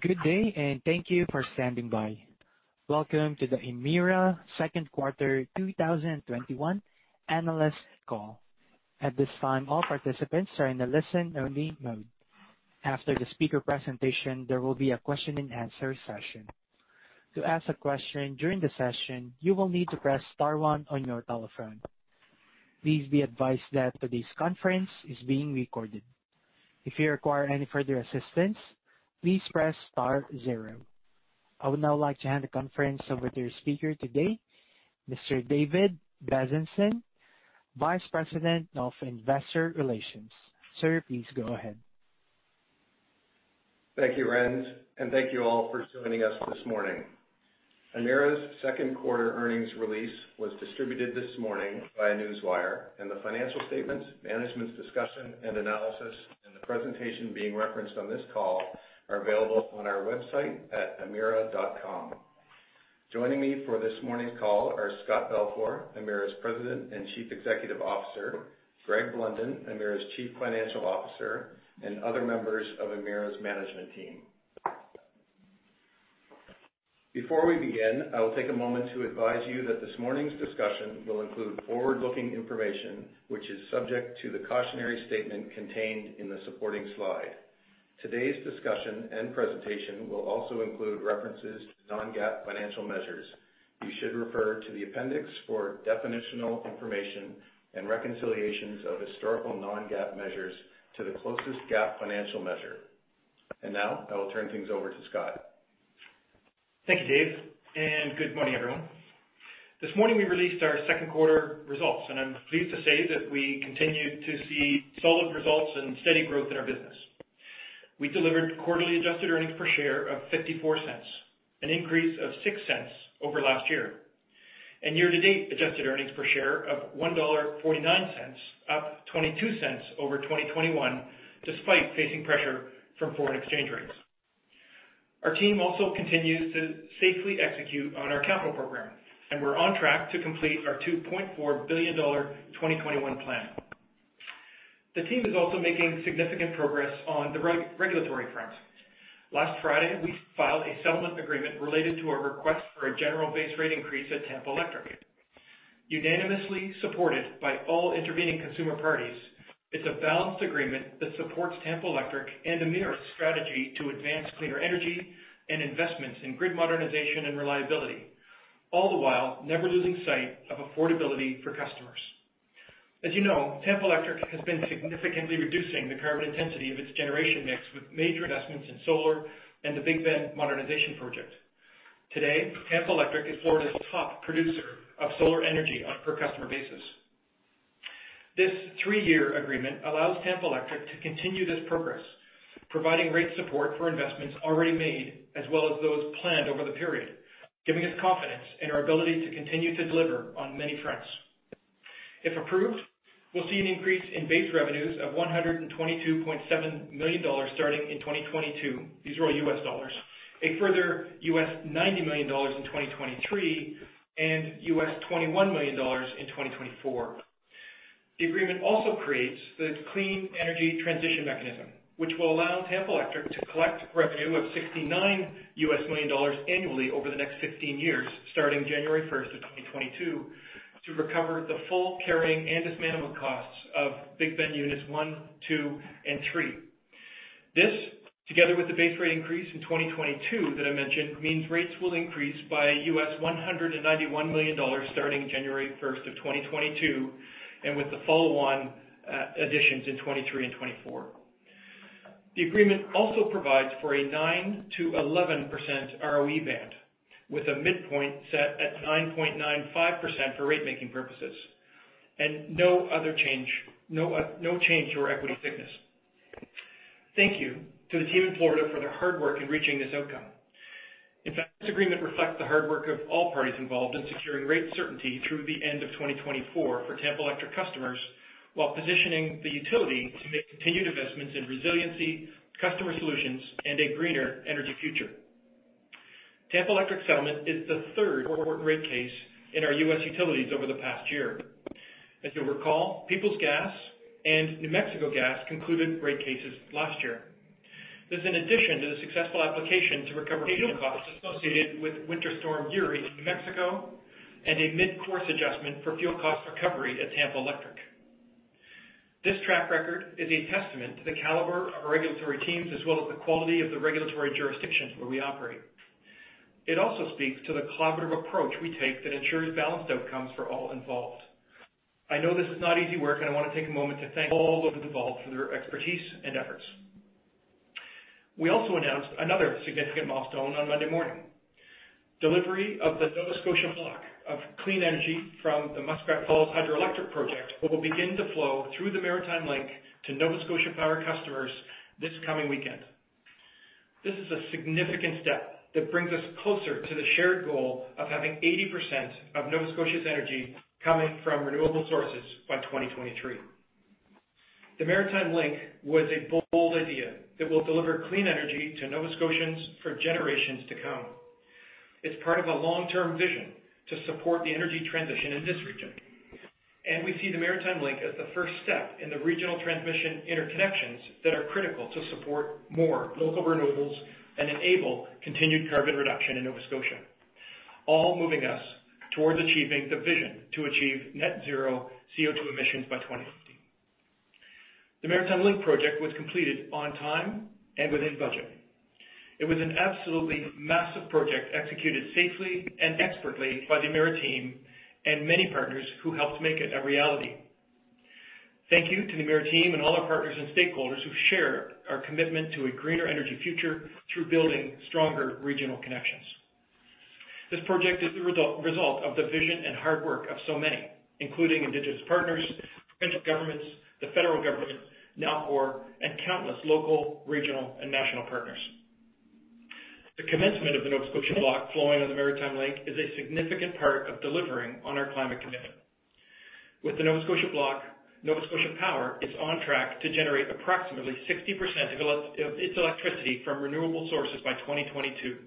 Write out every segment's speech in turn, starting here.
Good day, and thank you for standing by. Welcome the Emera Second Quarter 2021 Analyst Call. At this time, all participants are in a listen-only mode. After the speakers presentation, there will be a question and answer session. To ask a question during the session, you will need to press star one on your telephone. Please be advised that today's conference is being recorded. If you require any further assistance, please press star zero. I would now like to hand the conference over to your speaker today, Mr. David Bezanson, Vice President of Investor Relations. Sir, please go ahead. Thank you, Ren, thank you all for joining us this morning. Emera's second quarter earnings release was distributed this morning by Newswire, and the financial statements, Management's Discussion and Analysis, and the presentation being referenced on this call are available on our website at emera.com. Joining me for this morning's call are Scott Balfour, Emera's President and Chief Executive Officer, Greg Blunden, Emera's Chief Financial Officer, and other members of Emera's management team. Before we begin, I will take a moment to advise you that this morning's discussion will include forward-looking information, which is subject to the cautionary statement contained in the supporting slide. Today's discussion and presentation will also include references to non-GAAP financial measures. You should refer to the appendix for definitional information and reconciliations of historical non-GAAP measures to the closest GAAP financial measure. Now, I will turn things over to Scott. Thank you, Dave, and good morning, everyone. This morning, we released our second quarter results, and I'm pleased to say that we continued to see solid results and steady growth in our business. We delivered quarterly adjusted earnings per share of 0.54, an increase of 0.06 over last year. Year-to-date adjusted earnings per share of 1.49 dollar, up 0.22 over 2021, despite facing pressure from foreign exchange rates. Our team also continues to safely execute on our capital program, and we're on track to complete our 2.4 billion dollar 2021 plan. The team is also making significant progress on the regulatory front. Last Friday, we filed a settlement agreement related to a request for a general base rate increase at Tampa Electric. Unanimously supported by all intervening consumer parties, it's a balanced agreement that supports Tampa Electric and Emera's strategy to advance cleaner energy and investments in grid modernization and reliability, all the while never losing sight of affordability for customers. As you know, Tampa Electric has been significantly reducing the carbon intensity of its generation mix with major investments in solar and the Big Bend modernization project. Today, Tampa Electric is Florida's top producer of solar energy on a per customer basis. This three-year agreement allows Tampa Electric to continue this progress, providing rate support for investments already made as well as those planned over the period, giving us confidence in our ability to continue to deliver on many fronts. If approved, we'll see an increase in base revenues of $122.7 million starting in 2022. These are all U.S. dollars. A further $90 million in 2023 and $21 million in 2024. The agreement also creates the Clean Energy Transition Mechanism, which will allow Tampa Electric to collect revenue of $69 million annually over the next 16 years, starting January 1st of 2022, to recover the full carrying and dismantling costs of Big Bend units 1, 2, and 3. This, together with the base rate increase in 2022 that I mentioned, means rates will increase by $191 million starting January 1st of 2022, and with the full one additions in 2023 and 2024. The agreement also provides for a 9%-11% ROE band, with a midpoint set at 9.95% for rate-making purposes, and no change to our equity thickness. Thank you to the team in Florida for their hard work in reaching this outcome. In fact, this agreement reflects the hard work of all parties involved in securing rate certainty through the end of 2024 for Tampa Electric customers, while positioning the utility to make continued investments in resiliency, customer solutions, and a greener energy future. Tampa Electric's settlement is the third rate case in our U.S. utilities over the past year. As you'll recall, Peoples Gas and New Mexico Gas concluded rate cases last year. This is in addition to the successful application to recover fuel costs associated with Winter Storm Uri in New Mexico and a mid-course adjustment for fuel cost recovery at Tampa Electric. This track record is a testament to the caliber of our regulatory teams, as well as the quality of the regulatory jurisdictions where we operate. It also speaks to the collaborative approach we take that ensures balanced outcomes for all involved. I know this is not easy work, I want to take a moment to thank all those involved for their expertise and efforts. We also announced another significant milestone on Monday morning. Delivery of the Nova Scotia block of clean energy from the Muskrat Falls Hydroelectric Project will begin to flow through the Maritime Link to Nova Scotia Power customers this coming weekend. This is a significant step that brings us closer to the shared goal of having 80% of Nova Scotia's energy coming from renewable sources by 2023. The Maritime Link was a bold idea that will deliver clean energy to Nova Scotians for generations to come. It's part of a long-term vision to support the energy transition in this region. We see the Maritime Link as the first step in the regional transmission interconnections that are critical to support more local renewables and enable continued carbon reduction in Nova Scotia, all moving us towards achieving the vision to achieve net zero CO2 emissions by 2050. The Maritime Link project was completed on time and within budget. It was an absolutely massive project, executed safely and expertly by the Emera team and many partners who helped make it a reality. Thank you to the Emera team and all our partners and stakeholders who share our commitment to a greener energy future through building stronger regional connections. This project is the result of the vision and hard work of so many, including Indigenous partners, provincial governments, the federal government, Nalcor, and countless local, regional, and national partners. The commencement of the Nova Scotia Block flowing on the Maritime Link is a significant part of delivering on our climate commitment. With the Nova Scotia Block, Nova Scotia Power is on track to generate approximately 60% of its electricity from renewable sources by 2022.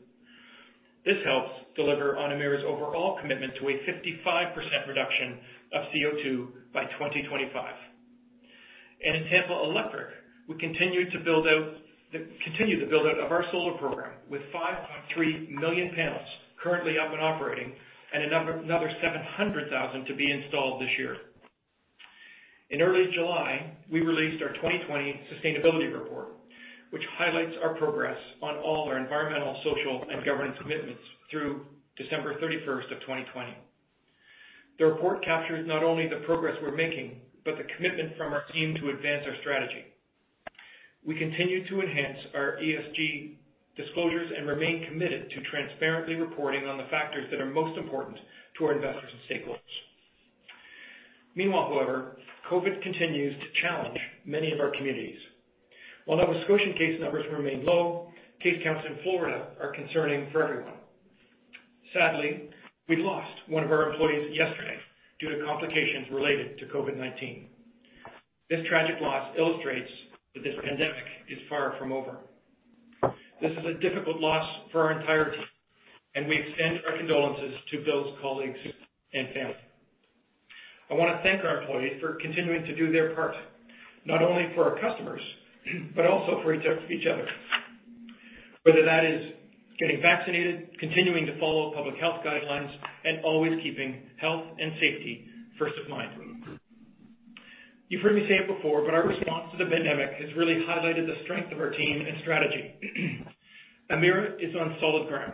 This helps deliver on Emera's overall commitment to a 55% reduction of CO2 by 2025. At Tampa Electric, we continue to build out of our solar program with 5.3 million panels currently up and operating, and another 700,000 to be installed this year. In early July, we released our 2020 sustainability report, which highlights our progress on all our environmental, social, and governance commitments through December 31st of 2020. The report captures not only the progress we're making, but the commitment from our team to advance our strategy. We continue to enhance our ESG disclosures and remain committed to transparently reporting on the factors that are most important to our investors and stakeholders. Meanwhile, however, COVID continues to challenge many of our communities. While Nova Scotian case numbers remain low, case counts in Florida are concerning for everyone. Sadly, we lost one of our employees yesterday due to complications related to COVID-19. This tragic loss illustrates that this pandemic is far from over. This is a difficult loss for our entire team, and we extend our condolences to Bill's colleagues and family. I want to thank our employees for continuing to do their part, not only for our customers, but also for each other. Whether that is getting vaccinated, continuing to follow public health guidelines, and always keeping health and safety first in mind. You've heard me say it before, but our response to the pandemic has really highlighted the strength of our team and strategy. Emera is on solid ground.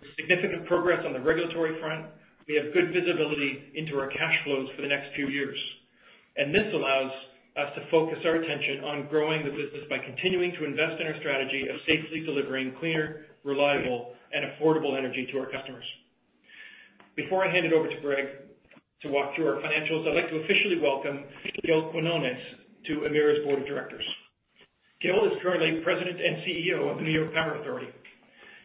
With significant progress on the regulatory front, we have good visibility into our cash flows for the next few years. This allows us to focus our attention on growing the business by continuing to invest in our strategy of safely delivering cleaner, reliable, and affordable energy to our customers. Before I hand it over to Greg to walk through our financials, I'd like to officially welcome Gil Quiniones to Emera's board of directors. Gil is currently President and CEO of the New York Power Authority.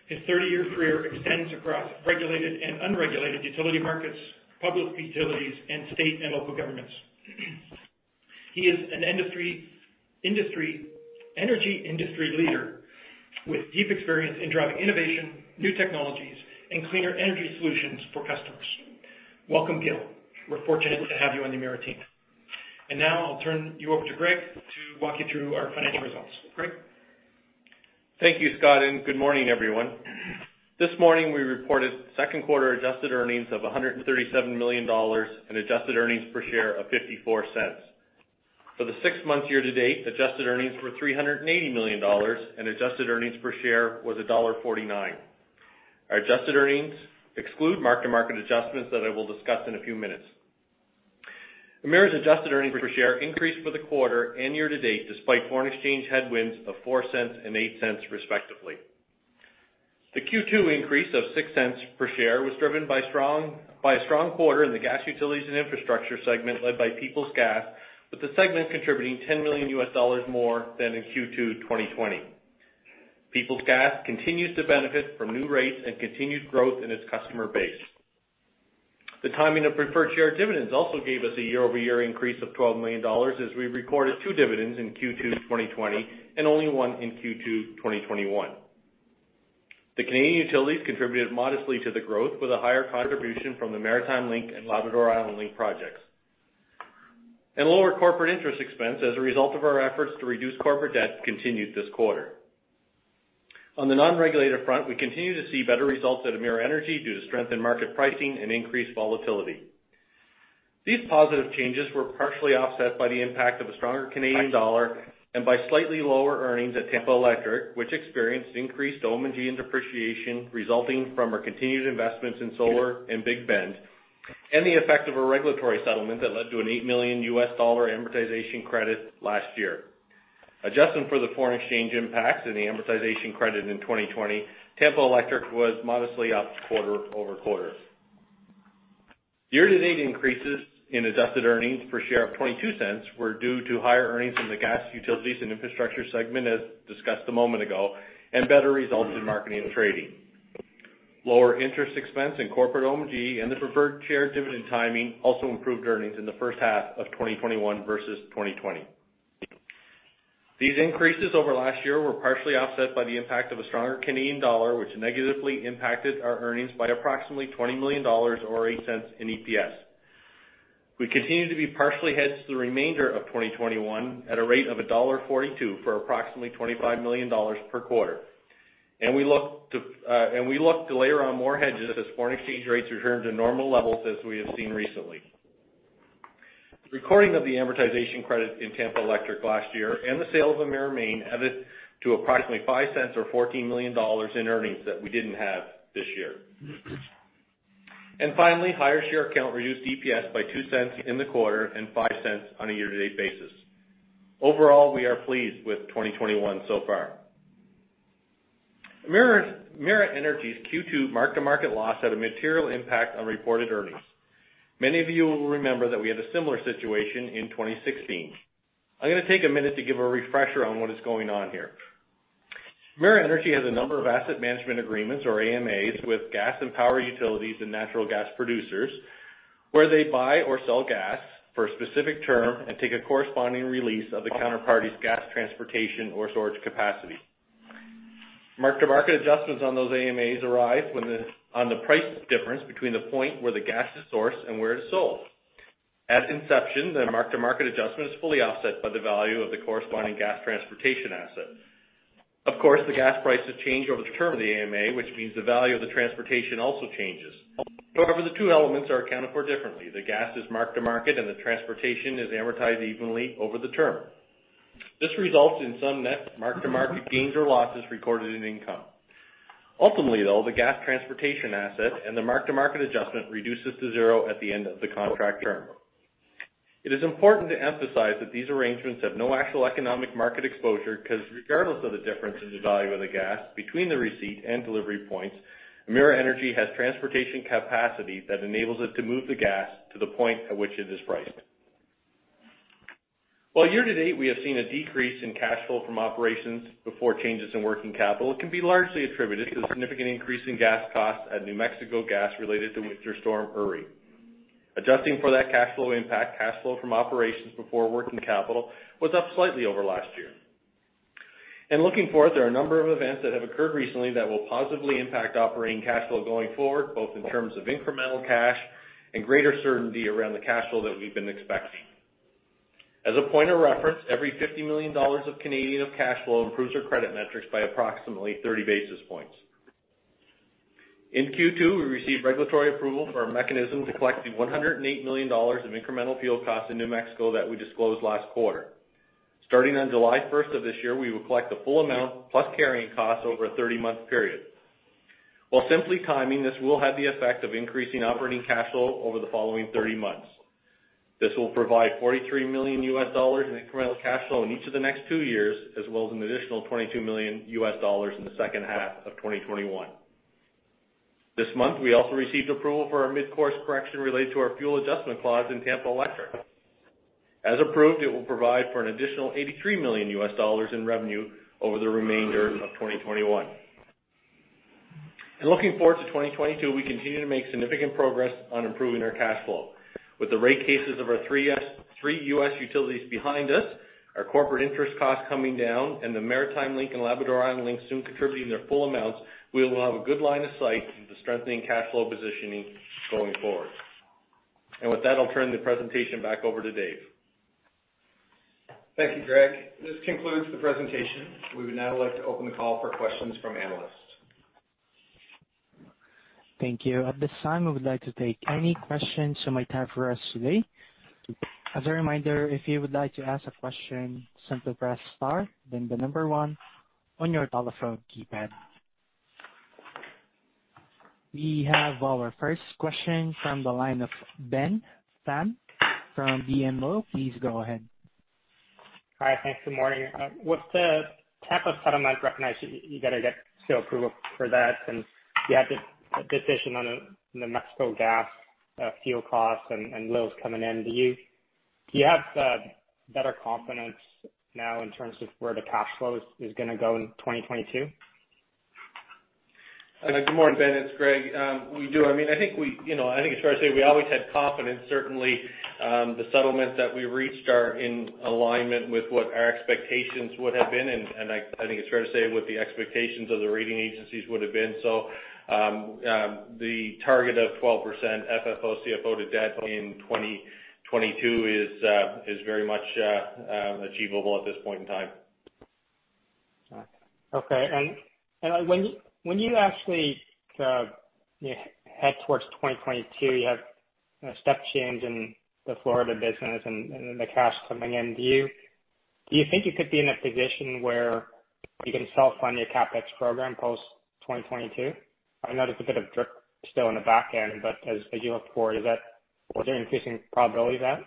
His 30-year career extends across regulated and unregulated utility markets, public utilities, and state and local governments. He is an energy industry leader with deep experience in driving innovation, new technologies, and cleaner energy solutions for customers. Welcome, Gil. We're fortunate to have you on the Emera team. Now I'll turn you over to Greg to walk you through our financial results. Greg? Thank you, Scott. Good morning, everyone. This morning, we reported second quarter adjusted earnings of 137 million dollars and adjusted earnings per share of 0.54. For the six-month year to date, adjusted earnings were 380 million dollars and adjusted earnings per share was dollar 1.49. Our adjusted earnings exclude mark-to-market adjustments that I will discuss in a few minutes. Emera's adjusted earnings per share increased for the quarter and year to date, despite foreign exchange headwinds of 0.04 and 0.08, respectively. The Q2 increase of 0.06 per share was driven by a strong quarter in the gas utilities and infrastructure segment led by Peoples Gas, with the segment contributing $10 million more than in Q2 2020. Peoples Gas continues to benefit from new rates and continued growth in its customer base. The timing of preferred share dividends also gave us a year-over-year increase of 12 million dollars, as we recorded two dividends in Q2 2020 and only one in Q2 2021. The Canadian utilities contributed modestly to the growth, with a higher contribution from the Maritime Link and Labrador Island Link projects. Lower corporate interest expense as a result of our efforts to reduce corporate debt continued this quarter. On the non-regulated front, we continue to see better results at Emera Energy due to strength in market pricing and increased volatility. These positive changes were partially offset by the impact of a stronger Canadian dollar and by slightly lower earnings at Tampa Electric, which experienced increased O&M and depreciation resulting from our continued investments in solar and Big Bend, and the effect of a regulatory settlement that led to an $8 million amortization credit last year. Adjusting for the foreign exchange impacts and the amortization credit in 2020, Tampa Electric was modestly up quarter-over-quarter. Year-to-date increases in adjusted EPS of 0.22 were due to higher earnings in the gas, utilities, and infrastructure segment, as discussed a moment ago, and better results in marketing and trading. Lower interest expense in corporate O&M and the preferred share dividend timing also improved earnings in the first half of 2021 versus 2020. These increases over last year were partially offset by the impact of a stronger Canadian dollar, which negatively impacted our earnings by approximately 20 million dollars or 0.08 in EPS. We continue to be partially hedged through the remainder of 2021 at a rate of dollar 1.42 for approximately 25 million dollars per quarter. We look to layer on more hedges as foreign exchange rates return to normal levels as we have seen recently. The recording of the amortization credit in Tampa Electric last year and the sale of Emera Maine added to approximately 0.05 or 14 million dollars in earnings that we didn't have this year. Finally, higher share count reduced EPS by 0.02 in the quarter and 0.05 on a year-to-date basis. Overall, we are pleased with 2021 so far. Emera Energy's Q2 mark-to-market loss had a material impact on reported earnings. Many of you will remember that we had a similar situation in 2016. I'm going to take a minute to give a refresher on what is going on here. Emera Energy has a number of Asset Management Agreements, or AMAs, with gas and power utilities and natural gas producers, where they buy or sell gas for a specific term and take a corresponding release of the counterparty's gas transportation or storage capacity. Mark-to-market adjustments on those AMAs arise on the price difference between the point where the gas is sourced and where it is sold. At inception, the mark-to-market adjustment is fully offset by the value of the corresponding gas transportation asset. Of course, the gas prices change over the term of the AMA, which means the value of the transportation also changes. However, the two elements are accounted for differently. The gas is mark-to-market, and the transportation is amortized evenly over the term. This results in some net mark-to-market gains or losses recorded in income. Ultimately, though, the gas transportation asset and the mark-to-market adjustment reduces to zero at the end of the contract term. It is important to emphasize that these arrangements have no actual economic market exposure because regardless of the difference in the value of the gas between the receipt and delivery points, Emera Energy has transportation capacity that enables it to move the gas to the point at which it is priced. While year to date, we have seen a decrease in cash flow from operations before changes in working capital, it can be largely attributed to the significant increase in gas costs at New Mexico Gas related to Winter Storm Uri. Adjusting for that cash flow impact, cash flow from operations before working capital was up slightly over last year. Looking forward, there are a number of events that have occurred recently that will positively impact operating cash flow going forward, both in terms of incremental cash and greater certainty around the cash flow that we've been expecting. As a point of reference, every 50 million dollars of cash flow improves our credit metrics by approximately 30 basis points. In Q2, we received regulatory approval for a mechanism to collect the $108 million of incremental fuel costs in New Mexico that we disclosed last quarter. Starting on July 1st of this year, we will collect the full amount plus carrying costs over a 30-month period. While simply timing, this will have the effect of increasing operating cash flow over the following 30 months. This will provide $43 million in incremental cash flow in each of the next two years, as well as an additional $22 million in the second half of 2021. This month, we also received approval for our mid-course correction related to our fuel adjustment clause in Tampa Electric. As approved, it will provide for an additional $83 million in revenue over the remainder of 2021. Looking forward to 2022, we continue to make significant progress on improving our cash flow. With the rate cases of our three U.S. utilities behind us, our corporate interest costs coming down, and the Maritime Link and Labrador Island Link soon contributing their full amounts, we will have a good line of sight into strengthening cash flow positioning going forward. With that, I'll turn the presentation back over to Dave. Thank you, Greg. This concludes the presentation. We would now like to open the call for questions from analysts. Thank you. At this time, we would like to take any questions you might have for us today. As a reminder, if you would like to ask a question, simply press star then the number one on your telephone keypad. We have our first question from the line of Ben Pham from BMO. Please go ahead. Hi. Thanks. Good morning. With the Tampa settlement, I recognize you got to get still approval for that, and you have the decision on the Mexico gas fuel costs and lows coming in. Do you have better confidence now in terms of where the cash flow is going to go in 2022? Good morning, Ben. It's Greg. We do. I think it's fair to say we always had confidence. Certainly, the settlements that we reached are in alignment with what our expectations would have been, and I think it's fair to say what the expectations of the rating agencies would have been. The target of 12% FFO/CFO to debt in 2022 is very much achievable at this point in time. Okay. When you actually head towards 2022, you have a step change in the Florida business and the cash coming in. Do you think you could be in a position where you can self-fund your CapEx program post-2022? I know there's a bit of DRIP still in the back end, but as you look forward, is there an increasing probability of that?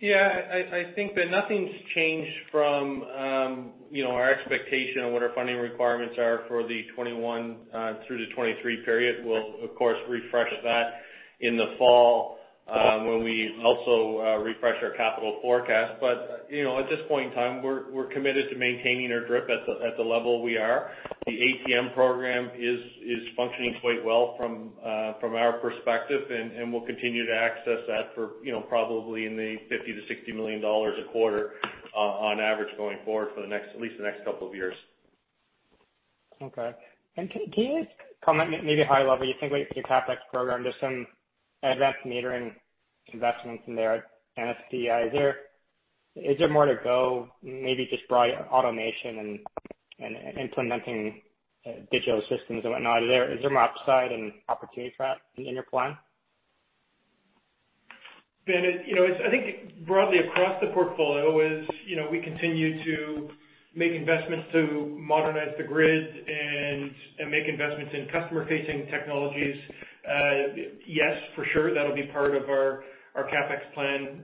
Yeah. I think that nothing's changed from our expectation of what our funding requirements are for the 2021 through to 2023 period. We'll, of course, refresh that in the fall when we also refresh our capital forecast. At this point in time, we're committed to maintaining our DRIP at the level we are. The ATM program is functioning quite well from our perspective, and we'll continue to access that for probably in the 50 million-60 million dollars a quarter on average going forward for at least the next couple of years. Okay. Can you guys comment, maybe high level, you think your CapEx program, there's some advanced metering investments in there, NSPI. Is there more to go, maybe just broad automation and implementing digital systems and whatnot? Is there more upside and opportunity for that in your plan? Ben, I think broadly across the portfolio is, we continue to make investments to modernize the grid and make investments in customer-facing technologies. For sure, that'll be part of our CapEx plan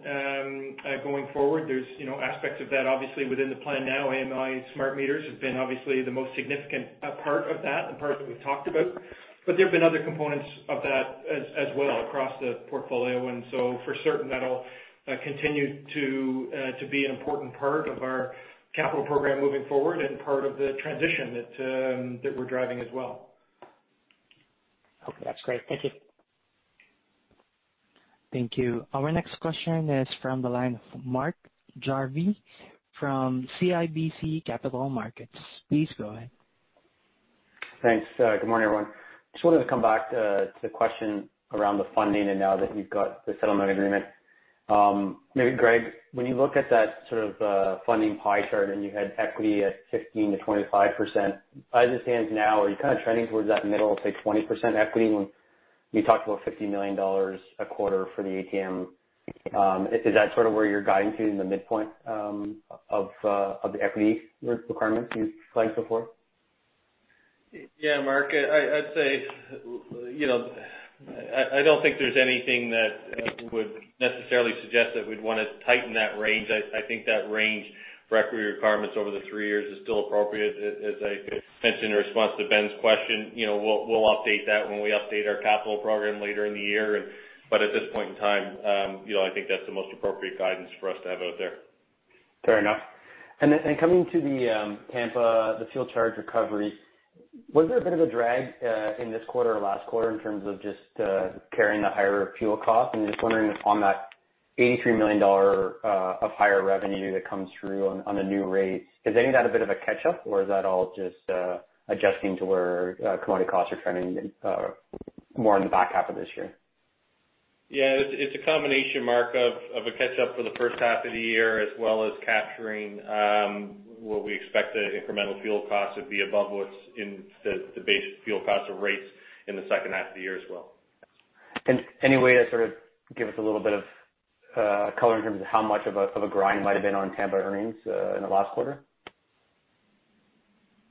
going forward. There's aspects of that obviously within the plan now. AMI smart meters have been obviously the most significant part of that and part that we've talked about. There have been other components of that as well across the portfolio. For certain that'll continue to be an important part of our capital program moving forward and part of the transition that we're driving as well. Okay. That's great. Thank you. Thank you. Our next question is from the line of Mark Jarvi from CIBC Capital Markets. Please go ahead. Thanks. Good morning, everyone. Just wanted to come back to the question around the funding and now that you've got the settlement agreement. Maybe Greg, when you look at that sort of funding pie chart and you had equity at 15%-25%, as it stands now, are you kind of trending towards that middle, say, 20% equity when you talked about $50 million a quarter for the ATM? Is that sort of where you're guiding to in the midpoint of the equity requirements you flagged before? Yeah, Mark. I'd say, I don't think there's anything that would necessarily suggest that we'd want to tighten that range. I think that range for equity requirements over the three years is still appropriate. As I mentioned in response to Ben's question, we'll update that when we update our capital program later in the year. At this point in time, I think that's the most appropriate guidance for us to have out there. Fair enough. Coming to the Tampa, the fuel charge recovery, was there a bit of a drag in this quarter or last quarter in terms of just carrying the higher fuel cost? Just wondering if on that $83 million of higher revenue that comes through on the new rates, is any of that a bit of a catch-up or is that all just adjusting to where commodity costs are trending more in the back half of this year? Yeah, it's a combination, Mark, of a catch-up for the first half of the year as well as capturing what we expect the incremental fuel cost would be above what's in the base fuel cost of rates in the second half of the year as well. Any way to sort of give us a little bit of color in terms of how much of a grind might've been on Tampa earnings in the last quarter?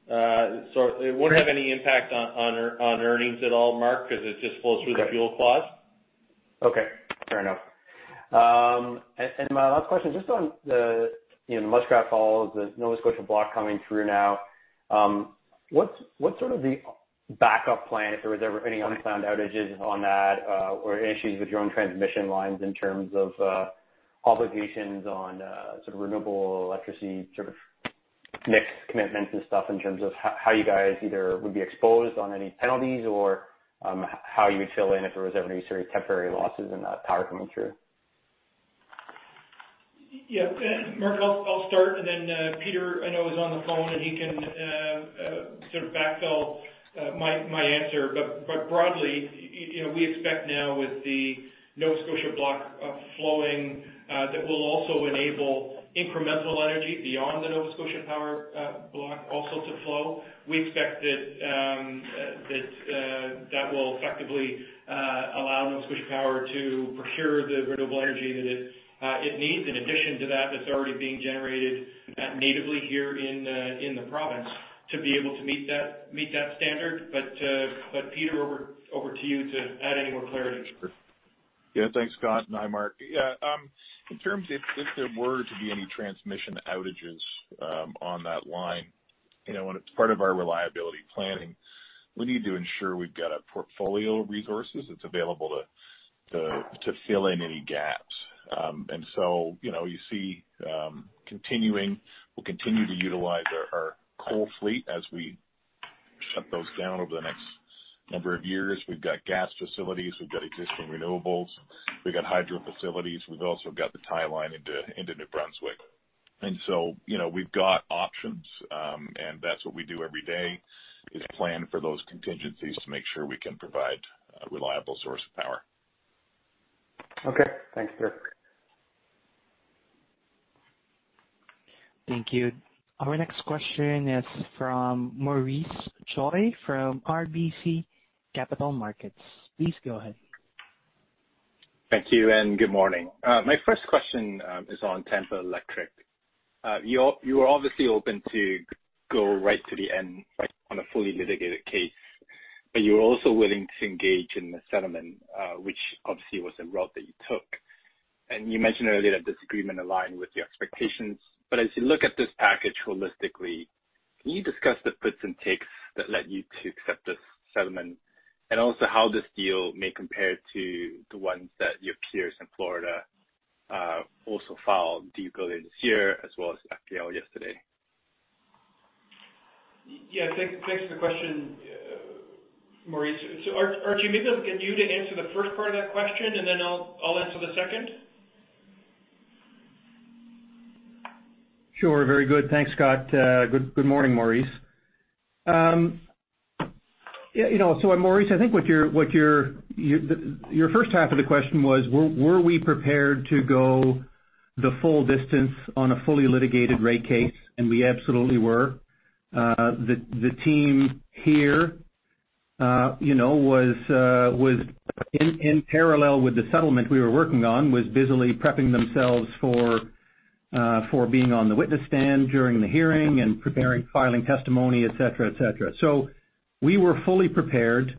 It wouldn't have any impact on earnings at all, Mark, because it just flows through the fuel clause. Okay. Fair enough. My last question, just on the Muskrat Falls, the Nova Scotia Block coming through now. What's sort of the backup plan if there was ever any unplanned outages on that or issues with your own transmission lines in terms of obligations on sort of renewable electricity sort of mixed commitments and stuff in terms of how you guys either would be exposed on any penalties or how you would fill in if there was ever any sort of temporary losses in that power coming through? Mark, I'll start and then Peter I know is on the phone and he can sort of backfill my answer. Broadly, we expect now with the Nova Scotia Block flowing that will also enable incremental energy beyond the Nova Scotia Power Block also to flow. We expect that that will effectively allow Nova Scotia Power to procure the renewable energy that it needs in addition to that that's already being generated natively here in the province to be able to meet that standard. Peter, over to you to add any more clarity. Thanks, Scott, and hi, Mark. In terms if there were to be any transmission outages on that line, it's part of our reliability planning, we need to ensure we've got a portfolio of resources that's available to fill in any gaps. We'll continue to utilize our coal fleet as we shut those down over the next number of years. We've got gas facilities, we've got existing renewables, we've got hydro facilities. We've also got the tie line into New Brunswick. We've got options, and that's what we do every day is plan for those contingencies to make sure we can provide a reliable source of power. Okay. Thanks, Peter. Thank you. Our next question is from Maurice Choy from RBC Capital Markets. Please go ahead. Thank you and good morning. My first question is on Tampa Electric. You are obviously open to go right to the end on a fully litigated case, but you're also willing to engage in the settlement, which obviously was the route that you took. You mentioned earlier that this agreement aligned with your expectations, but as you look at this package holistically, can you discuss the puts and takes that led you to accept this settlement? Also how this deal may compare to the ones that your peers in Florida also filed, Duke Energy Florida this year as well as FPL yesterday. Yeah. Thanks for the question, Maurice. Archie, maybe I'll get you to answer the first part of that question, and then I'll answer the second. Sure. Very good. Thanks, Scott. Good morning, Maurice. Maurice, I think your first half of the question was, were we prepared to go the full distance on a fully litigated rate case? We absolutely were. The team here was in parallel with the settlement we were working on, was busily prepping themselves for being on the witness stand during the hearing and preparing, filing testimony, et cetera. We were fully prepared.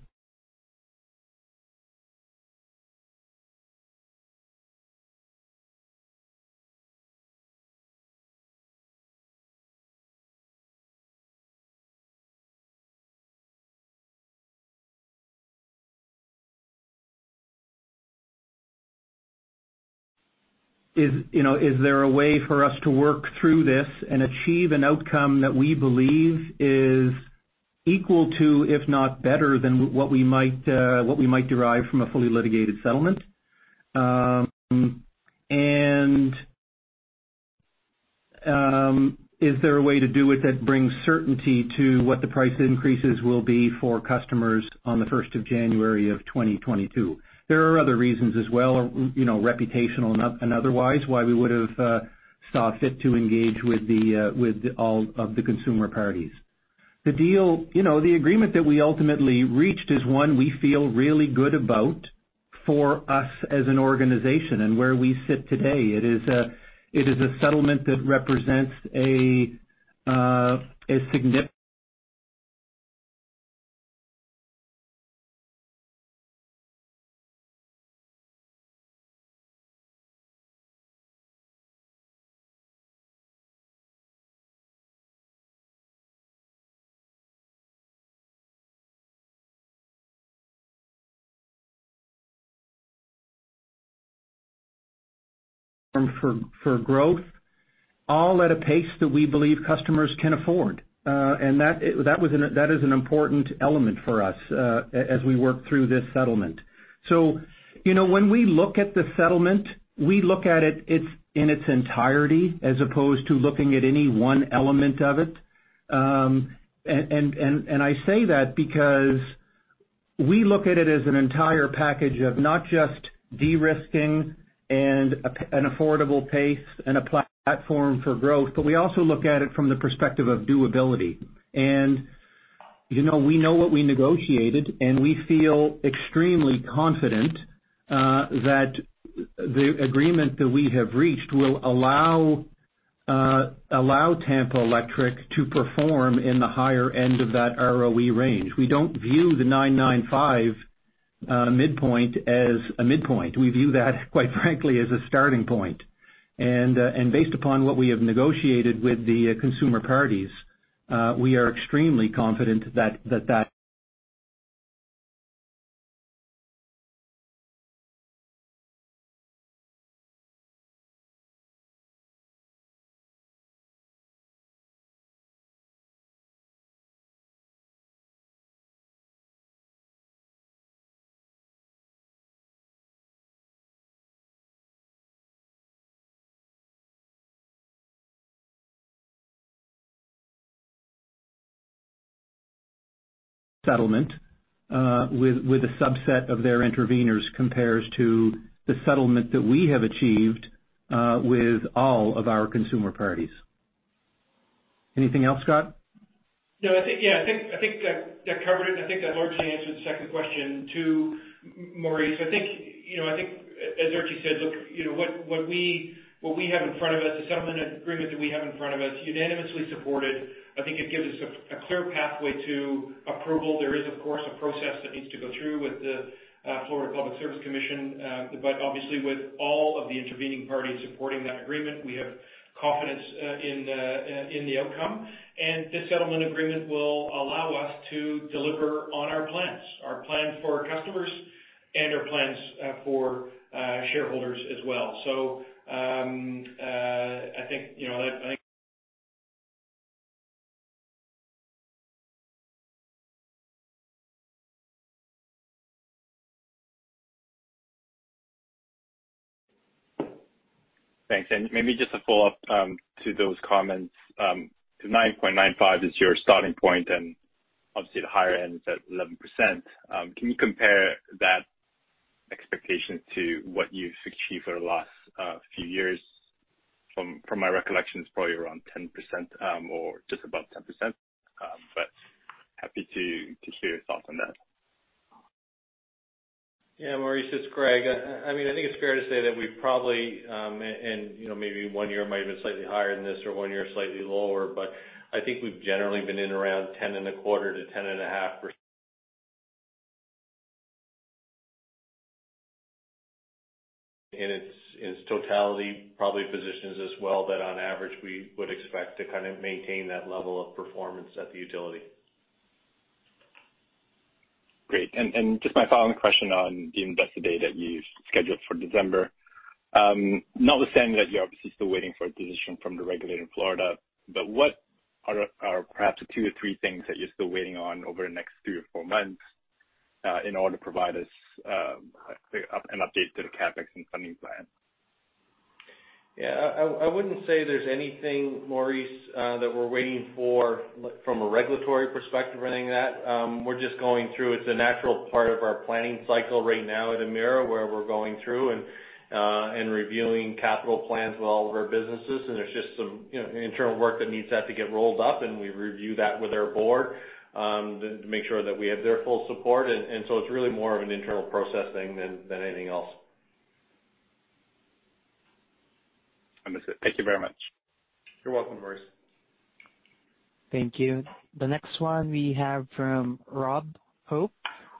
Is there a way for us to work through this and achieve an outcome that we believe is equal to, if not better than, what we might derive from a fully litigated settlement? Is there a way to do it that brings certainty to what the price increases will be for customers on the first of January of 2022? There are other reasons as well, reputational and otherwise, why we would have saw fit to engage with all of the consumer parties. The agreement that we ultimately reached is one we feel really good about for us as an organization and where we sit today. It is a settlement that represents a significant for growth, all at a pace that we believe customers can afford. That is an important element for us as we work through this settlement. When we look at the settlement, we look at it in its entirety as opposed to looking at any one element of it. I say that because we look at it as an entire package of not just de-risking and an affordable pace and a platform for growth, but we also look at it from the perspective of doability. We know what we negotiated, and we feel extremely confident that the agreement that we have reached will allow Tampa Electric to perform in the higher end of that ROE range. We don't view the 9.95% midpoint as a midpoint. We view that quite frankly, as a starting point. Based upon what we have negotiated with the consumer parties, we are extremely confident that that settlement with a subset of their interveners compares to the settlement that we have achieved with all of our consumer parties. Anything else, Scott? No. I think that covered it, I think that largely answered the second question, too, Maurice. I think as Archie said, look, what we have in front of us, the settlement agreement that we have in front of us, unanimously supported. I think it gives us a clear pathway to approval. There is, of course, a process that needs to go through with the Florida Public Service Commission. Obviously with all of the intervening parties supporting that agreement, we have confidence in the outcome. This settlement agreement will allow us to deliver on our plans, our plan for our customers and our plans for shareholders as well. Thanks. Maybe just a follow-up to those comments. 9.95% is your starting point, and obviously the higher end is at 11%. Can you compare that expectation to what you've achieved for the last few years? From my recollection, it's probably around 10% or just above 10%, but happy to hear your thoughts on that. Yeah, Maurice, it's Greg. I think it's fair to say that we probably, and maybe one year might have been slightly higher than this or one year slightly lower, but I think we've generally been in around 10.25%-10.5% in its totality, probably positions us well that on average we would expect to kind of maintain that level of performance at the utility. Great. Just my final question on the Investor Day that you've scheduled for December. Notwithstanding that you're obviously still waiting for a decision from the regulator in Florida, but what are perhaps the two or three things that you're still waiting on over the next three or four months? In order to provide us an update to the CapEx and funding plan. Yeah. I wouldn't say there's anything, Maurice, that we're waiting for from a regulatory perspective or anything like that. We're just going through. It's a natural part of our planning cycle right now at Emera, where we're going through and reviewing capital plans with all of our businesses, and there's just some internal work that needs to have to get rolled up, and we review that with our board to make sure that we have their full support. It's really more of an internal process thing than anything else. Understood. Thank you very much. You're welcome, Maurice. Thank you. The next one we have from Rob Hope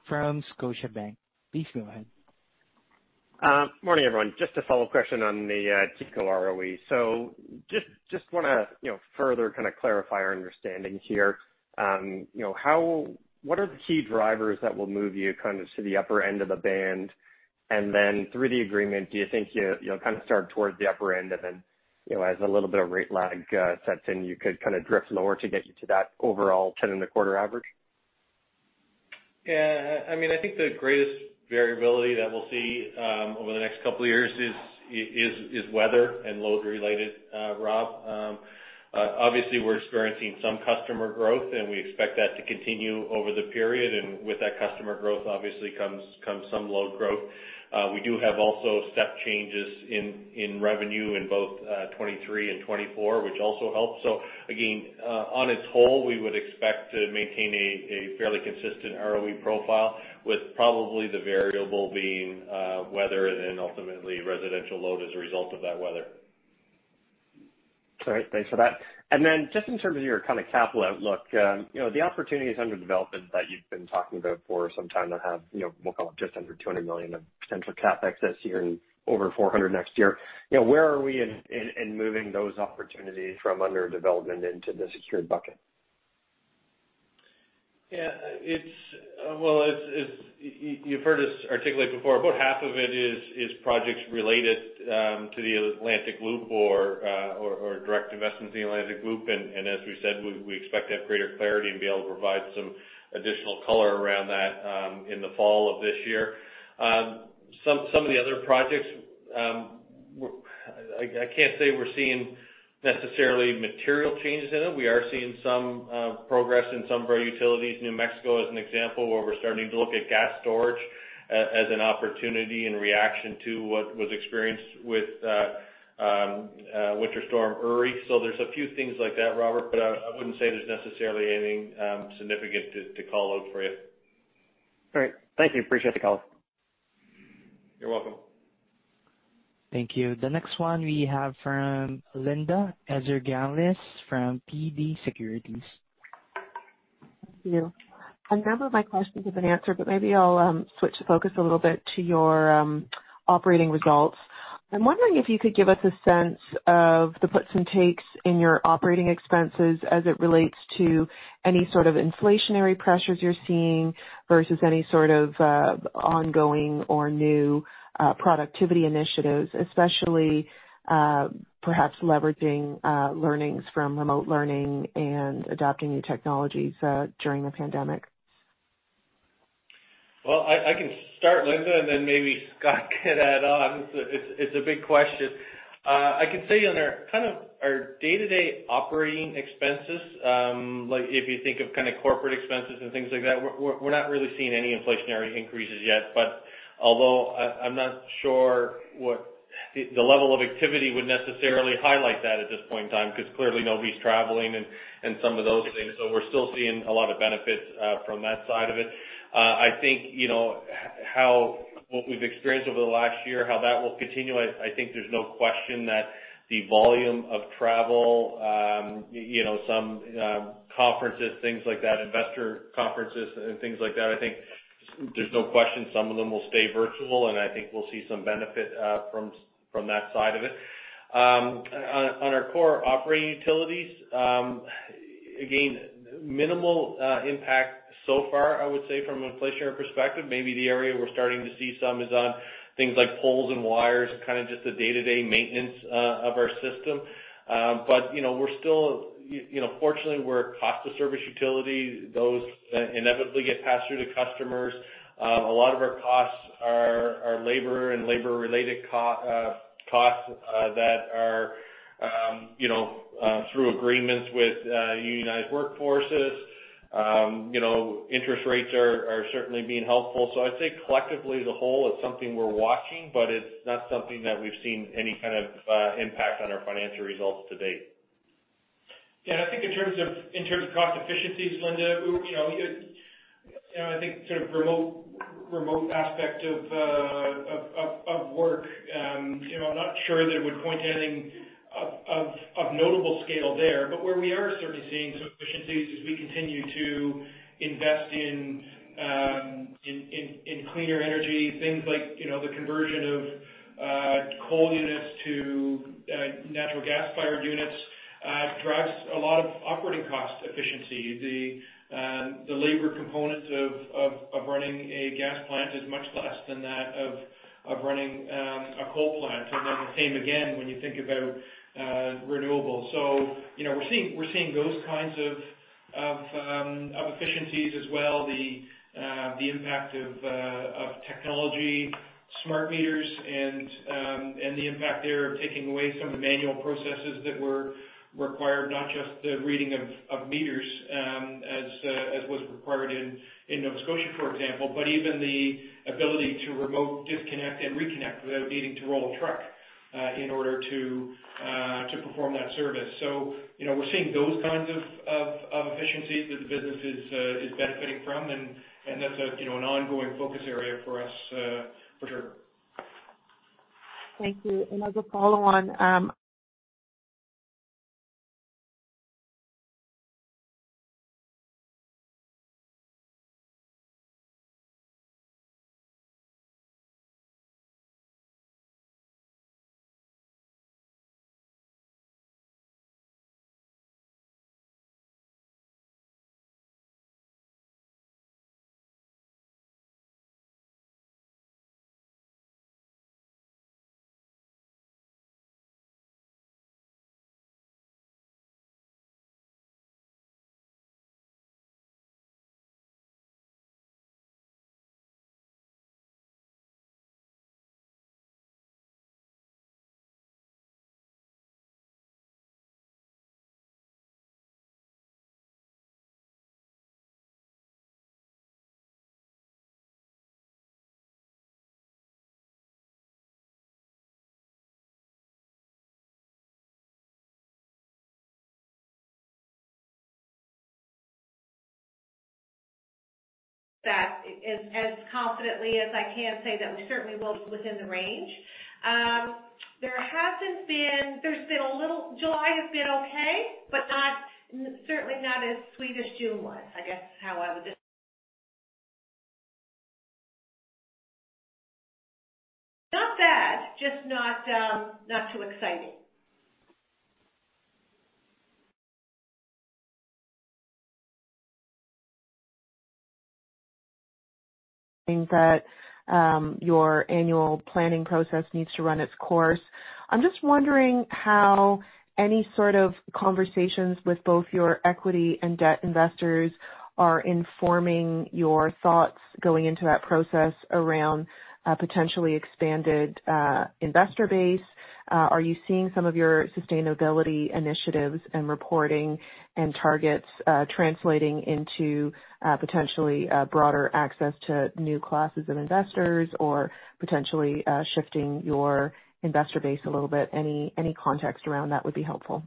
from Scotiabank. Please go ahead. Morning, everyone. Just a follow-up question on the TECO ROE. Just want to further kind of clarify our understanding here. What are the key drivers that will move you kind of to the upper end of the band? Then through the agreement, do you think you'll kind of start towards the upper end and then, as a little bit of rate lag sets in, you could kind of drift lower to get you to that overall 10.25% average? I think the greatest variability that we'll see over the next couple of years is weather and load-related, Rob. Obviously, we're experiencing some customer growth, and we expect that to continue over the period. With that customer growth, obviously, comes some load growth. We do have also step changes in revenue in both 2023 and 2024, which also helps. Again, on its whole, we would expect to maintain a fairly consistent ROE profile with probably the variable being weather and then ultimately residential load as a result of that weather. All right. Thanks for that. Just in terms of your kind of capital outlook, the opportunities under development that you've been talking about for some time now have, we'll call it just under 200 million of potential CapEx this year and over 400 million next year. Where are we in moving those opportunities from under development into the secured bucket? You've heard us articulate before, about half of it is projects related to the Atlantic Loop or direct investments in the Atlantic Loop. As we said, we expect to have greater clarity and be able to provide some additional color around that in the fall of this year. Some of the other projects, I can't say we're seeing necessarily material changes in them. We are seeing some progress in some of our utilities. New Mexico is an example where we're starting to look at gas storage as an opportunity in reaction to what was experienced with Winter Storm Uri. There's a few things like that, Robert, but I wouldn't say there's necessarily anything significant to call out for you. Great. Thank you. Appreciate the call. You're welcome. Thank you. The next one we have from Linda Ezergailis from TD Securities. Thank you. I know that my question has been answered, but maybe I'll switch the focus a little bit to your operating results. I'm wondering if you could give us a sense of the puts and takes in your operating expenses as it relates to any sort of inflationary pressures you're seeing versus any sort of ongoing or new productivity initiatives, especially perhaps leveraging learnings from remote learning and adopting new technologies during the pandemic. Well, I can start, Linda, and then maybe Scott can add on. It's a big question. I can say on our kind of our day-to-day operating expenses, if you think of kind of corporate expenses and things like that, we're not really seeing any inflationary increases yet. Although I'm not sure what the level of activity would necessarily highlight that at this point in time, because clearly nobody's traveling and some of those things. We're still seeing a lot of benefits from that side of it. I think what we've experienced over the last year, how that will continue, I think there's no question that the volume of travel, some conferences, things like that, investor conferences and things like that, I think there's no question some of them will stay virtual, and I think we'll see some benefit from that side of it. On our core operating utilities, minimal impact so far, I would say, from an inflationary perspective. The area we're starting to see some is on things like poles and wires, kind of just the day-to-day maintenance of our system. Fortunately, we're a cost-of-service utility. Those inevitably get passed through to customers. A lot of our costs are labor and labor-related costs that are through agreements with unionized workforces. Interest rates are certainly being helpful. I'd say collectively as a whole, it's something we're watching, it's not something that we've seen any kind of impact on our financial results to date. Yeah, I think in terms of cost efficiencies, Linda, I think sort of remote aspect of work, I'm not sure that we'd point to anything of notable scale there. Where we are certainly seeing some efficiencies is we continue to invest in cleaner energy. Things like the conversion of coal units to natural gas-fired units drives a lot of operating cost efficiency. The labor component of running a gas plant is much less than that of running a coal plant. The same again when you think about renewables. We're seeing those kinds of efficiencies as well, the impact of technology, smart meters, and the impact there of taking away some of the manual processes that were required, not just the reading of meters as was required in Nova Scotia, for example, but even the ability to remote disconnect and reconnect without needing to roll a truck in order to perform that service. We're seeing those kinds of efficiencies that the business is benefiting from, and that's an ongoing focus area for us for sure. Thank you. That as confidently as I can say that we certainly will be within the range. There's been a little July has been okay, but certainly not as sweet as June was. I guess how I would. Not bad, just not too exciting. That your annual planning process needs to run its course. I am just wondering how any sort of conversations with both your equity and debt investors are informing your thoughts going into that process around a potentially expanded investor base. Are you seeing some of your sustainability initiatives and reporting and targets translating into potentially broader access to new classes of investors or potentially shifting your investor base a little bit? Any context around that would be helpful.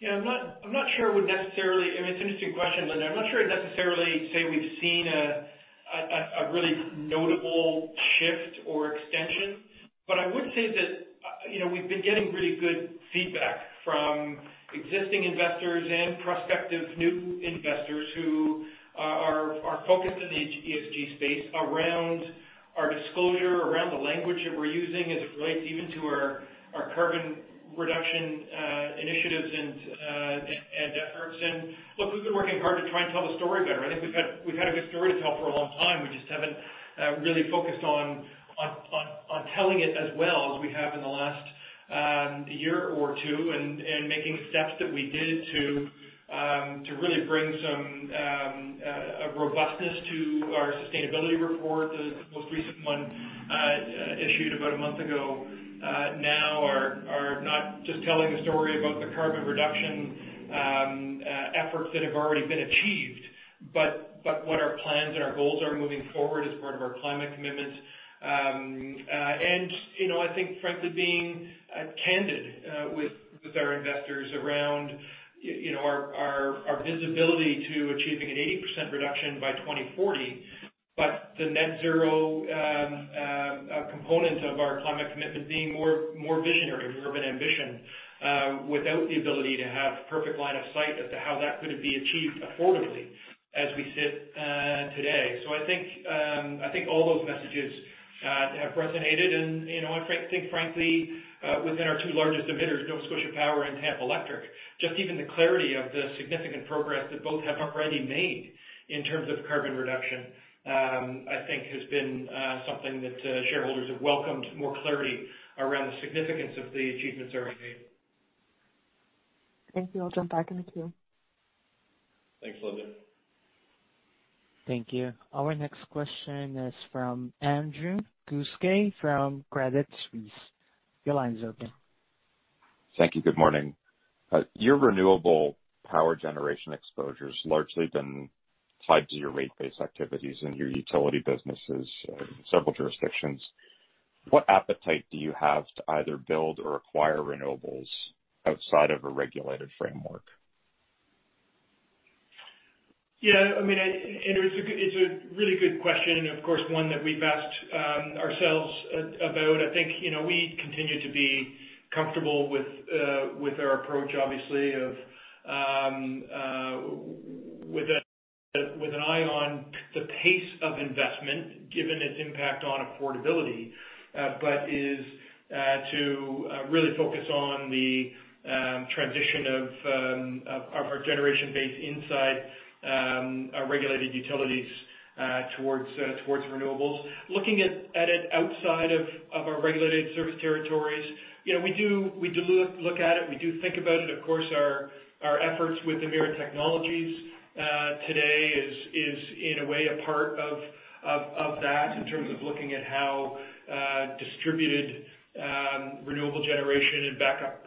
Yeah. It's an interesting question, Linda. I'm not sure I'd necessarily say we've seen a really notable shift or extension. I would say that we've been getting really good feedback from existing investors and prospective new investors who are focused in the ESG space around our disclosure, around the language that we're using as it relates even to our carbon reduction initiatives and efforts. Look, we've been working hard to try and tell the story better. I think we've had a good story to tell for a long time. We just haven't really focused on telling it as well as we have in the last year or two and making steps that we did to really bring some robustness to our sustainability report. The most recent one issued about a month ago now are not just telling the story about the carbon reduction efforts that have already been achieved, but what our plans and our goals are moving forward as part of our climate commitments. I think, frankly, being candid with our investors around our visibility to achieving an 80% reduction by 2040. The net zero component of our climate commitment being more visionary, if you were in ambition, without the ability to have perfect line of sight as to how that could be achieved affordably as we sit today. I think all those messages have resonated. I think, frankly, within our two largest emitters, Nova Scotia Power and Tampa Electric, just even the clarity of the significant progress that both have already made in terms of carbon reduction, I think has been something that shareholders have welcomed more clarity around the significance of the achievements already made. Thank you. I'll jump back in the queue. Thanks, Linda. Thank you. Our next question is from Andrew Kuske from Credit Suisse. Thank you. Good morning. Your renewable power generation exposure has largely been tied to your rate-based activities in your utility businesses in several jurisdictions. What appetite do you have to either build or acquire renewables outside of a regulated framework? Yeah, Andrew, it's a really good question, and of course, one that we've asked ourselves about. I think, we continue to be comfortable with our approach, obviously, with an eye on the pace of investment, given its impact on affordability. Is to really focus on the transition of our generation-based in our regulated utilities towards renewables. Looking at it outside of our regulated service territories, we do look at it, we do think about it. Of course, our efforts with Emera Technologies today is, in a way, a part of that in terms of looking at how distributed renewable generation and backup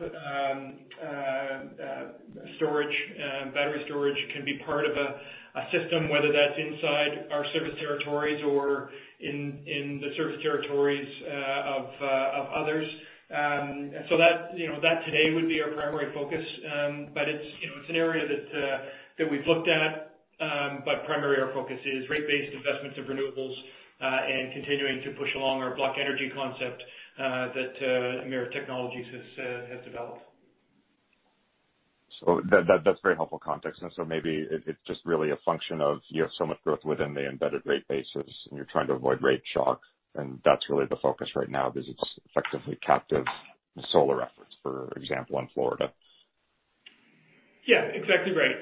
battery storage can be part of a system, whether that's inside our service territories or in the service territories of others. That today would be our primary focus. It's an area that we've looked at. Primarily, our focus is rate-based investments of renewables and continuing to push along our BlockEnergy concept that Emera Technologies has developed. That's very helpful context. Maybe it's just really a function of, you have so much growth within the embedded rate bases, and you're trying to avoid rate shock, and that's really the focus right now, because it's effectively captive solar efforts, for example, in Florida. Yeah, exactly right.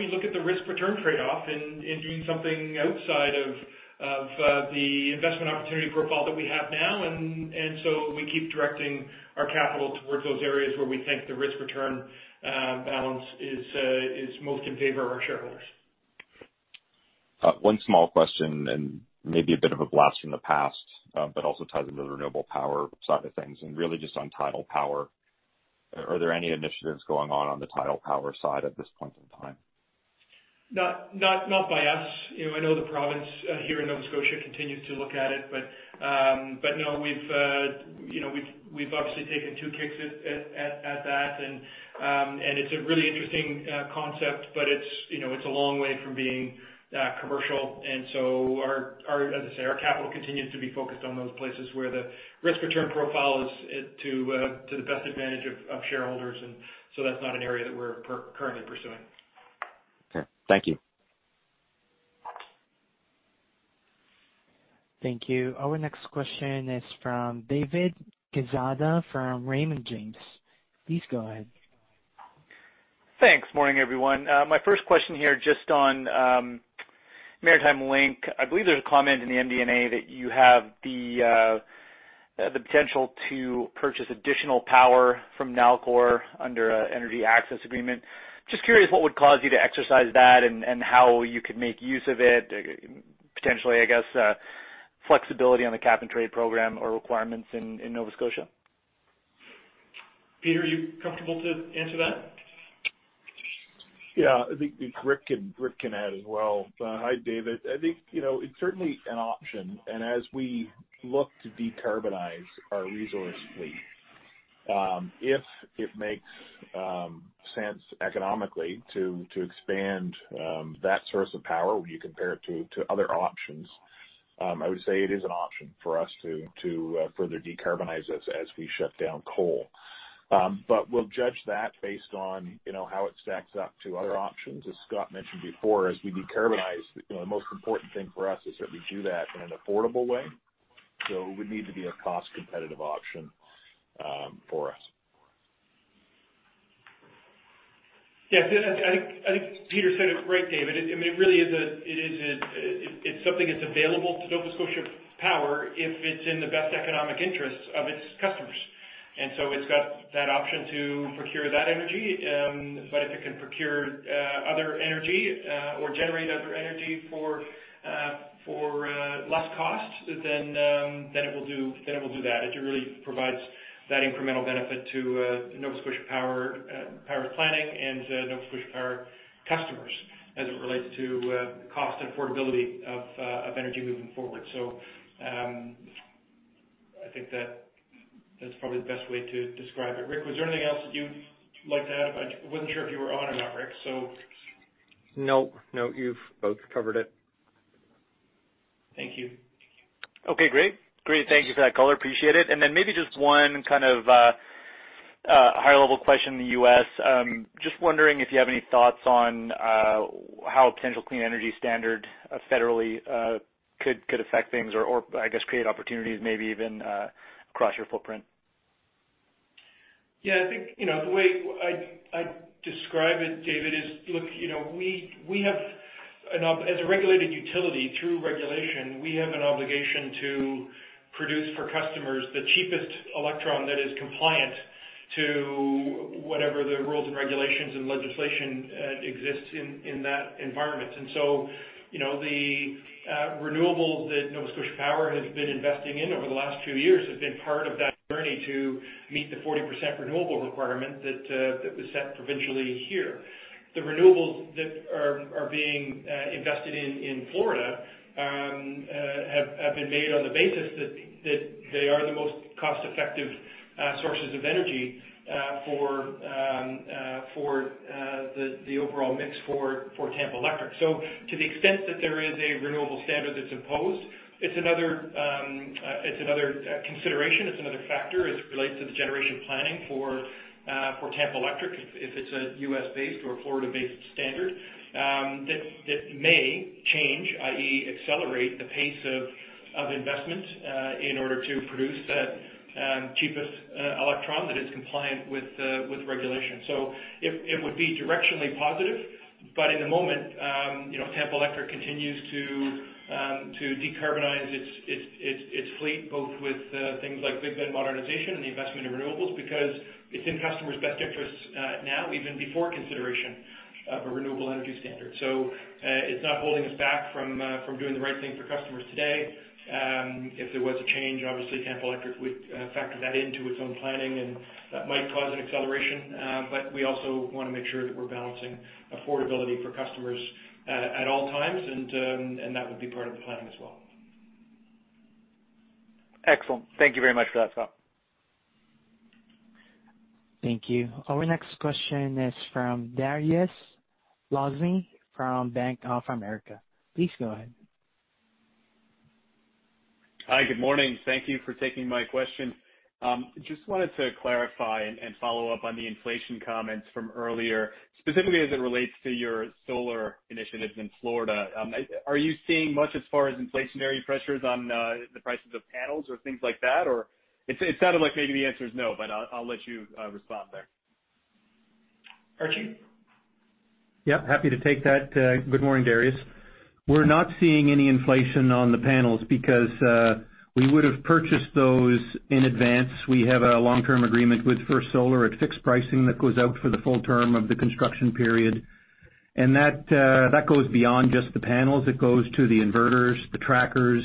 We look at the risk-return trade-off in doing something outside of the investment opportunity profile that we have now. We keep directing our capital towards those areas where we think the risk-return balance is most in favor of our shareholders. One small question, and maybe a bit of a blast from the past, but also ties into the renewable power side of things, and really just on tidal power. Are there any initiatives going on on the tidal power side at this point in time? Not by us. I know the province here in Nova Scotia continues to look at it. No. We've obviously taken two kicks at that. It's a really interesting concept, but it's a long way from being commercial. As I say, our capital continues to be focused on those places where the risk-return profile is to the best advantage of shareholders. That's not an area that we're currently pursuing. Okay. Thank you. Thank you. Our next question is from David Quezada from Raymond James. Please go ahead. Thanks. Morning, everyone. My first question here, just on Maritime Link. I believe there's a comment in the MD&A that you have the potential to purchase additional power from Nalcor under an energy access agreement. Just curious what would cause you to exercise that and how you could make use of it. Potentially, I guess, flexibility on the cap and trade program or requirements in Nova Scotia. Peter, are you comfortable to answer that? Yeah. I think Rick can add as well. Hi, David. I think it's certainly an option. As we look to decarbonize our resource fleet, if it makes sense economically to expand that source of power, when you compare it to other options, I would say it is an option for us to further decarbonize as we shut down coal. We'll judge that based on how it stacks up to other options. As Scott mentioned before, as we decarbonize, the most important thing for us is that we do that in an affordable way. It would need to be a cost-competitive option for us. I think Peter said it great, David. It really is something that's available to Nova Scotia Power if it's in the best economic interest of its customers. It's got that option to procure that energy. If it can procure other energy or generate other energy for less cost, it will do that. It really provides that incremental benefit to Nova Scotia Power's planning and Nova Scotia Power customers as it relates to cost and affordability of energy moving forward. I think that's probably the best way to describe it. Rick, was there anything else that you'd like to add? I wasn't sure if you were on or not, Rick. No. You've both covered it. Thank you. Okay, great. Thank you for that color. Appreciate it. Then maybe just one kind of higher-level question in the U.S. Just wondering if you have any thoughts on how a potential clean energy standard federally could affect things or, I guess, create opportunities maybe even across your footprint. I think the way I'd describe it, David, is as a regulated utility, through regulation, we have an obligation to produce for customers the cheapest electron that is compliant to whatever the rules and regulations and legislation exists in that environment. The renewables that Nova Scotia Power has been investing in over the last two years have been part of that journey to meet the 40% renewable requirement that was set provincially here. The renewables that are being invested in in Florida have been made on the basis that they are the most cost-effective sources of energy for the overall mix for Tampa Electric. To the extent that there is a renewable standard that's imposed, it's another consideration. It's another factor as it relates to the generation planning for Tampa Electric, if it's a U.S.-based or Florida-based standard that may change, i.e., accelerate the pace of investment in order to produce that cheapest electron that is compliant with regulation. It would be directionally positive, but in the moment, Tampa Electric continues to decarbonize its fleet, both with things like Big Bend modernization and the investment in renewables, because it's in customers' best interests now, even before consideration of a renewable energy standard. It's not holding us back from doing the right thing for customers today. If there was a change, obviously Tampa Electric would factor that into its own planning, and that might cause an acceleration. We also want to make sure that we're balancing affordability for customers at all times, and that would be part of the planning as well. Excellent. Thank you very much for that, Scott. Thank you. Our next question is from Dariusz Lozny from Bank of America. Please go ahead. Hi. Good morning. Thank you for taking my question. Just wanted to clarify and follow up on the inflation comments from earlier, specifically as it relates to your solar initiatives in Florida. Are you seeing much as far as inflationary pressures on the prices of panels or things like that? It sounded like maybe the answer is no, but I'll let you respond there. Archie? Yep, happy to take that. Good morning, Dariusz. We're not seeing any inflation on the panels because we would have purchased those in advance. We have a long-term agreement with First Solar at fixed pricing that goes out for the full term of the construction period. That goes beyond just the panels. It goes to the inverters, the trackers,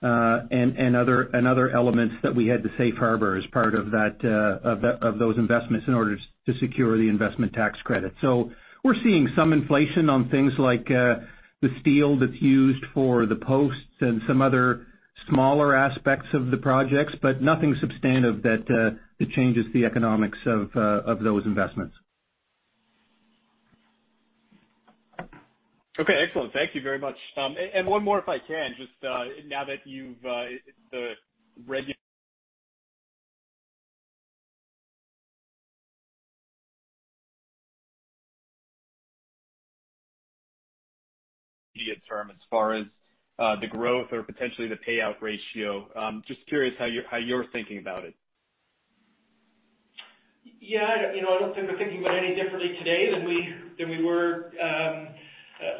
and other elements that we had to safe harbor as part of those investments in order to secure the investment tax credit. We're seeing some inflation on things like the steel that's used for the posts and some other smaller aspects of the projects, but nothing substantive that changes the economics of those investments. Okay, excellent. Thank you very much. One more, if I can, just now that you've as far as the growth or potentially the payout ratio, just curious how you're thinking about it. Yeah. I don't think we're thinking about it any differently today than we were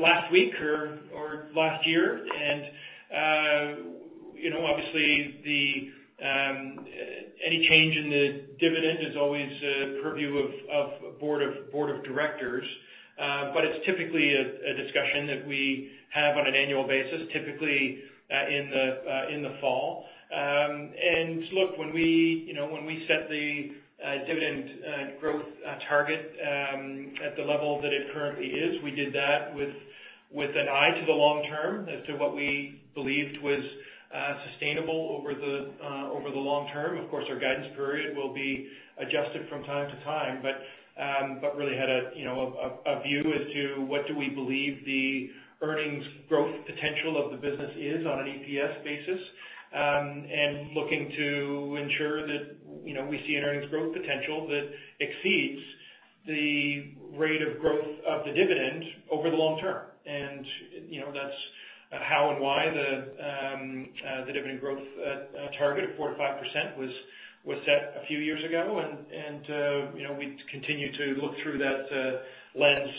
last week or last year. Obviously, any change in the dividend is always a purview of board of directors. It's typically a discussion that we have on an annual basis, typically in the fall. Look, when we set the dividend growth target at the level that it currently is, we did that with an eye to the long term as to what we believed was sustainable over the long term. Of course, our guidance period will be adjusted from time to time, but really had a view as to what do we believe the earnings growth potential of the business is on an EPS basis. Looking to ensure that we see an earnings growth potential that exceeds the rate of growth of the dividend over the long term. That's how and why the dividend growth target of 4%-5% was set a few years ago. We continue to look through that lens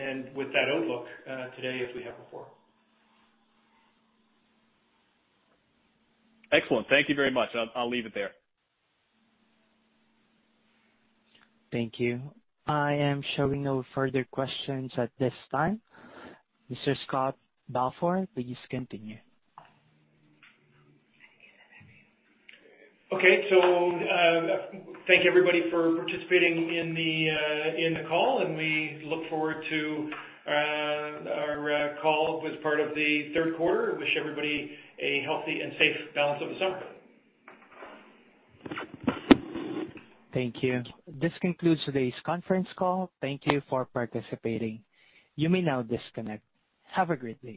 and with that outlook today as we have before. Excellent. Thank you very much. I'll leave it there. Thank you. I am showing no further questions at this time. Mr. Scott Balfour, please continue. Okay. Thank everybody for participating in the call, and we look forward to our call as part of the third quarter. Wish everybody a healthy and safe balance of the summer. Thank you. This concludes today's conference call. Thank you for participating. You may now disconnect. Have a great day.